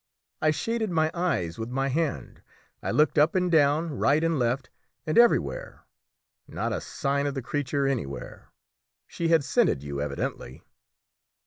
I shaded my eyes with my hand. I looked up and down, right and left, and everywhere; not a sign of the creature anywhere. She had scented you evidently."